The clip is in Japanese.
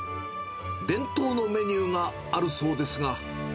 伝統のメニューがあるそうですが。